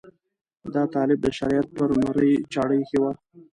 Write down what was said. دا طالب د شریعت پر مرۍ چاړه ایښې وه.